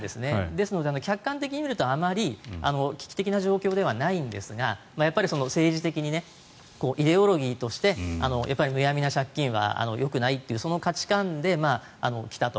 ですので、客観的に見るとあまり危機的状況ではないんですが政治的に、イデオロギーとしてむやみな借金はよくないという価値観で来たと。